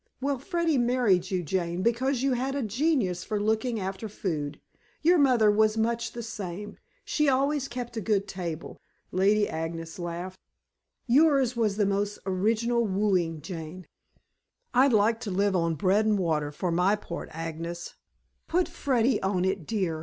"Well, Freddy married you, Jane, because you had a genius for looking after food. Your mother was much the same; she always kept a good table." Lady Agnes laughed. "Yours was a most original wooing, Jane." "I'd like to live on bread and water for my part, Agnes." "Put Freddy on it, dear.